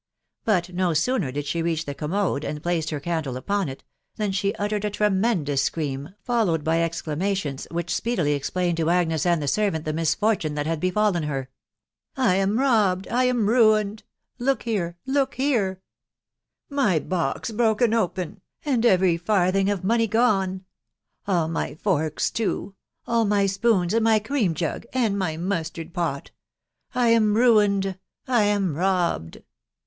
But ho sooner did she reach the Commode and place her candle upon it, than she uttered a tremendous scream, followed by exclamations which speedily explained to Agnes and the servant the misfortune that had befallen her. " I am robbed — I am ruined !.... Look here !•••. look here !.... my box broken open, and every farthing of money gone. ... All my forks too !.... all my spoons, and my cream jug, and my mustard pot !.... I am niined — I am robbed !..•